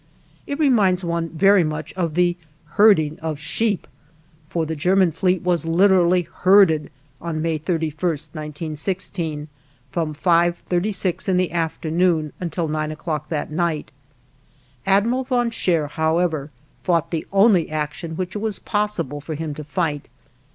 It reminds one very much of the herding of sheep, for the German fleet was literally herded on May 31, 1916, from 5:36 in the afternoon until 9 o'clock that night. Admiral von Scheer, however, fought the only action which it was possible for him to fight.